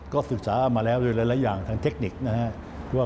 ก็ศึกษามาแล้วโดยหลายอย่างทางเทคนิคนะครับ